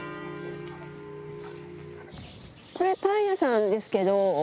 これ、パン屋さんですけど。